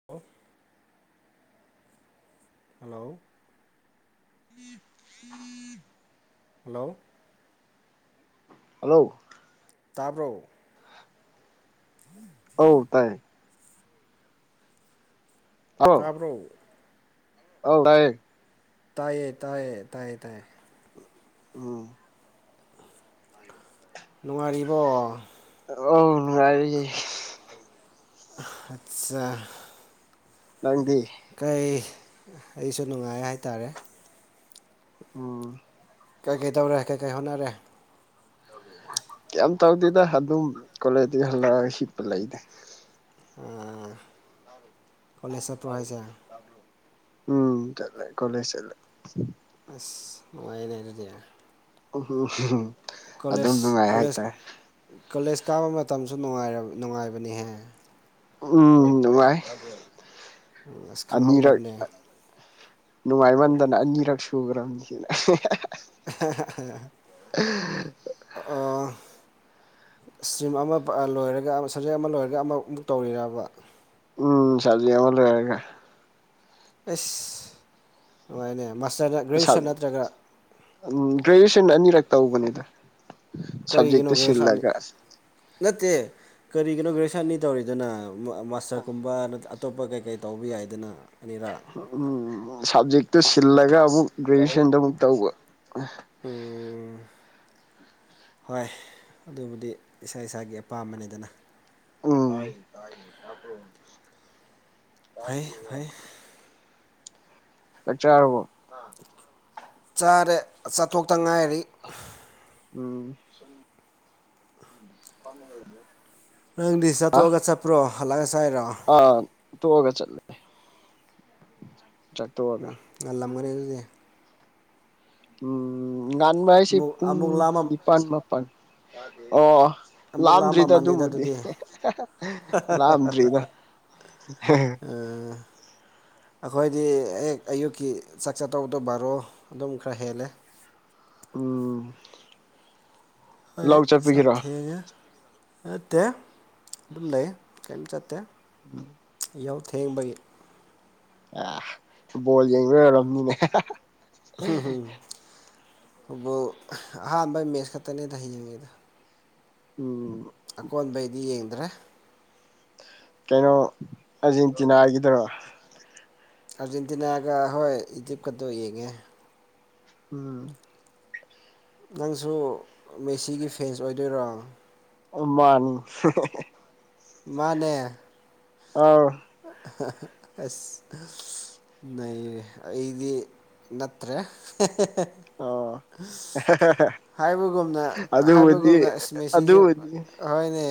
ꯑꯣꯜꯐ hello ꯎ ꯎ hello hello ꯇꯥꯕ꯭ꯔꯣ ꯎꯝ ꯑꯧ ꯇꯥꯏꯌꯦ ꯇꯥꯕ꯭ꯔꯣ ꯍ ꯇꯌꯦ ꯇꯥꯏꯌꯦ ꯇꯥꯏꯌꯦ ꯇꯥꯏꯌꯦ ꯇꯥꯏꯌꯦ ꯑꯣꯝ ꯅꯨꯡꯉꯥꯏꯔꯤꯕꯣ ꯑ ꯅꯨꯡꯉꯥꯏꯔꯤꯦ ꯑꯆꯥ ꯅꯪꯗꯤ ꯀꯩ ꯑꯩꯁꯨ ꯅꯨꯡꯉꯥꯏ ꯍꯥꯏꯇꯥꯔꯦ ꯎꯝ ꯀꯩ ꯀꯩꯇꯧꯔꯦ ꯀꯩꯀꯩ ꯍꯣꯠꯅꯔꯦ ꯀ ꯇꯧꯗꯦꯗ ꯑꯗꯨꯝ ꯀꯣꯂꯦꯖꯇꯒꯤ ꯍꯜꯂꯛꯑꯒ ꯁꯤꯠꯄ ꯂꯩꯗꯦ ꯀꯂꯦꯖꯗ ꯆꯠꯄꯔꯣ ꯍꯥꯏꯖꯦ ꯎꯝ ꯇꯂꯦ ꯀꯣꯂꯦꯖ ꯆꯠꯂꯦ ꯑꯁ ꯅꯨꯡꯉꯥꯏꯅꯦ ꯑꯗꯨꯗꯤ ꯎꯝ ꯑꯗꯨꯝ ꯀꯣꯂꯦꯖ ꯅꯨꯡꯉꯥꯏ ꯀꯣꯂꯦꯖ ꯍꯥꯏꯇꯥꯔꯦ ꯀꯣꯂꯦꯖ ꯀꯥꯕ ꯃꯇꯝꯁꯨ ꯅꯨꯡꯉꯥꯏꯕꯅꯤꯍꯦ ꯎꯝ ꯅꯨꯉꯥꯏ ꯑꯁ ꯈꯪꯍꯧꯗꯕꯅꯦ ꯅꯨꯡꯉꯥꯏꯃꯟꯗꯅ ꯑꯅꯤꯔꯛ ꯁꯨꯈ꯭ꯔꯕꯅꯤꯁꯅ ꯑ ꯏꯁꯇ꯭ꯔꯤꯝ ꯑꯃ ꯂꯣꯏꯔꯒ ꯑꯃ ꯁꯕꯖꯦꯛ ꯑꯃ ꯂꯣꯏꯔꯒ ꯑꯃꯃꯨꯛ ꯇꯧꯔꯤꯔꯕ ꯎꯝ ꯆꯖꯤ ꯌꯥꯕ ꯂꯔꯒꯦ ꯑꯦꯁ ꯅꯨꯡꯉꯥꯏꯅꯦ ꯃꯥꯁꯇꯔꯅ ꯒ꯭ꯔꯦꯖꯨꯦꯁꯟ ꯅꯠꯇ꯭ꯔꯒ ꯎꯝ ꯒ꯭ꯔꯦꯖꯨꯦꯁꯟ ꯑꯅꯤꯔꯛ ꯇꯧꯕꯅꯦꯗ ꯀꯔꯤꯒꯤꯅꯣ ꯒꯔꯦꯖꯨꯋꯦꯁꯟꯅꯤ ꯅꯠꯇꯦ ꯀꯔꯤꯒꯤꯅꯣ ꯒ꯭ꯔꯦꯖꯨꯦꯁꯟꯅꯤ ꯇꯧꯔꯤꯗꯅ ꯃꯥꯁꯇꯔꯒꯨꯝꯕ ꯑꯇꯣꯞꯄ ꯀꯩ ꯀꯩ ꯇꯧꯕ ꯌꯥꯏꯗꯅ ꯑꯅꯤꯔꯥ ꯎꯝ ꯁꯞꯖꯦꯛꯇꯨ ꯁꯤꯜꯂꯒ ꯑꯃꯨꯛ ꯒ꯭ꯔꯦꯖꯨꯑꯦꯁꯟꯗ ꯑꯃꯨꯛ ꯇꯧꯕ ꯎ ꯍꯣꯏ ꯑꯗꯨꯕꯨꯗꯤ ꯏꯁꯥ ꯏꯁꯥꯒꯤ ꯑꯄꯥꯝꯕꯅꯤꯗꯅ ꯎꯝ ꯐꯩ ꯐꯩ ꯆꯥꯛ ꯆꯥꯔꯔꯕꯣ ꯆꯥꯔꯦ ꯆꯥꯊꯣꯛꯇ ꯉꯥꯏꯔꯤ ꯎꯝꯃ ꯅꯪꯗꯤ ꯆꯠꯇꯣꯛꯑꯒ ꯆꯠꯄ꯭ꯔꯣ ꯍꯜꯂꯛꯏ ꯆꯥꯏꯔꯣ ꯑꯥ ꯇꯣꯛꯑꯒ ꯆꯠꯂꯦ ꯆꯥꯛ ꯇꯣꯛꯑꯒ ꯎꯝ ꯉꯜꯂꯝꯒꯅꯤ ꯑꯗꯨꯗꯤ ꯎꯝ ꯉꯥꯟꯕ ꯍꯥꯏꯁꯦ ꯑꯃꯨꯛ ꯄꯨꯡ ꯑꯃꯨꯛ ꯂꯥꯝꯃ ꯅꯤꯄꯜ ꯃꯥꯄꯜ ꯑꯣ ꯑꯃꯨꯛ ꯂꯥꯝꯗ꯭ꯔꯤꯗ ꯂꯥꯝꯃꯝꯃꯅꯤꯗ ꯑꯗꯨꯕꯨꯗꯤ ꯑꯗꯨꯗꯤ ꯂꯥꯝꯗ꯭ꯔꯤꯗ ꯎ ꯑꯩꯈꯣꯏꯗꯤ ꯍꯦꯛ ꯑꯌꯨꯛꯀꯤ ꯆꯥꯛ ꯆꯥꯠꯇꯧꯕꯗꯣ ꯕꯥꯔꯣ ꯑꯗꯨꯝ ꯈꯔ ꯍꯦꯜꯂꯦ ꯎꯝ ꯍꯣꯏ ꯂꯧ ꯆꯥꯛ ꯆꯠꯄꯒꯤꯔꯣ ꯊꯦꯡꯉꯦ ꯅꯠꯇꯦ ꯑꯗꯨꯝ ꯂꯩ ꯀꯔꯤꯝ ꯆꯠꯇꯦ ꯎꯝ ꯌꯥꯎ ꯊꯦꯡꯕꯒꯤ ꯑ ꯕꯣꯜ ꯌꯦꯡꯕ ꯂꯣꯏꯔꯔꯕꯅꯤꯅꯦ ꯎꯝꯝ ꯑꯗꯨꯕꯨ ꯑꯍꯥꯟꯕ ꯃꯦꯠꯁ ꯈꯛꯇꯅꯦꯗ ꯍꯌꯦꯡꯉꯦꯗ ꯎ ꯑꯀꯣꯟꯕꯩꯗꯤ ꯌꯦꯡꯗ꯭ꯔꯦ ꯀꯩꯅꯣ ꯑꯔꯖꯦꯟꯇꯤꯅꯥ ꯍꯥꯏꯒꯗꯔꯣ ꯑꯥꯔꯖꯦꯟꯇꯤꯅꯥꯒ ꯍꯣꯏ ꯏꯗꯤꯞꯀꯛꯇꯣ ꯌꯦꯡꯉꯦ ꯎꯝ ꯅꯪꯁꯨ ꯃꯦꯁꯤꯒꯤ ꯐꯦꯟꯁ ꯑꯣꯏꯗꯣꯏꯔꯣ ꯎ ꯃꯥꯅꯤ ꯃꯥꯅꯦ ꯑꯥꯎ ꯑꯁ ꯂꯩꯔꯦ ꯑꯩꯗꯤ ꯅꯠꯇ꯭ꯔ ꯑꯣ ꯍꯥꯏꯕꯒꯅ ꯑꯗꯨꯕꯨꯗꯤ ꯍꯥꯏꯕꯒꯨꯝꯅ ꯏꯁꯃꯦꯦꯁꯤꯁꯦ ꯑꯗꯨꯕꯨꯗꯤ ꯑꯅꯦ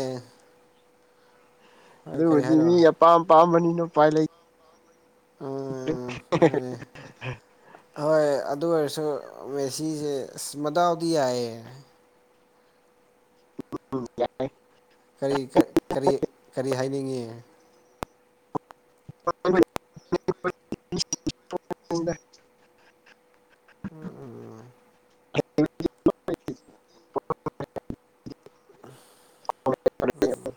ꯀꯔꯤ ꯑꯗꯨꯕꯨꯗꯤ ꯍꯥꯏꯔꯣ ꯃꯤ ꯑꯄꯥꯝꯄꯥꯝꯕꯅꯤꯅ ꯎꯄꯥꯏ ꯂꯩ ꯑꯣ [inaudible] ꯑ ꯍꯣꯏ ꯑꯗꯨ ꯑꯣꯏꯔꯁꯨ ꯃꯦꯁꯤꯁꯦ ꯑꯁ ꯃꯗꯥꯎꯗꯤ ꯌꯥꯏꯌꯦ ꯎꯝ ꯀꯔꯤ ꯀꯔꯤ ꯀꯔꯤ ꯍꯥꯏꯅꯤꯡꯉ [unintelligible] ꯎꯝ ꯎꯝ ꯎꯝ ꯈꯔ ꯎꯝ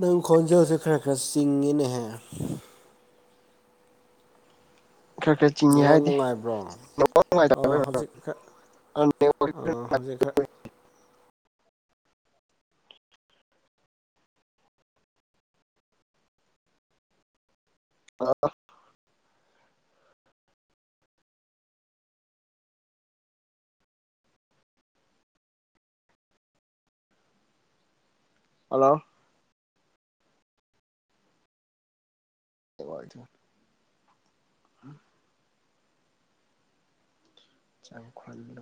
ꯅꯪ ꯈꯣꯟꯖꯦꯜꯁꯦ ꯈꯔ ꯈꯔ ꯆꯤꯡꯉꯤꯅꯦꯍꯦ ꯈꯔ ꯆꯤꯡꯉꯤ ꯅꯦꯠꯋꯥꯛ ꯍꯥꯏꯗꯤ ꯅꯨꯡꯉꯥꯏꯕ꯭ꯔꯣ ꯑꯣ ꯍꯧꯖꯤꯛ ꯈꯔ ꯍꯧꯖꯤꯛ ꯈꯔ ꯑ ꯍꯜꯂꯣ ꯆꯥꯎꯈꯠꯂꯨ